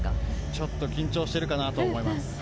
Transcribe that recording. ちょっと緊張しているかなと思います。